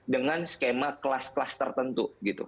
dengan skema kelas kelas tertentu gitu